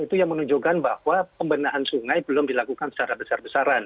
itu yang menunjukkan bahwa pembenahan sungai belum dilakukan secara besar besaran